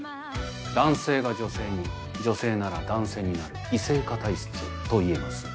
男性が女性に女性なら男性になる異性化体質といえます。